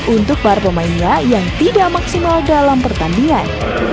untuk para pemainnya yang tidak maksimal dalam pertandingan